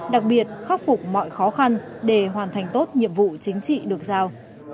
đặc biệt khắc phục mọi khó khăn để hoàn thành tốt nhiệm vụ chính trị được giao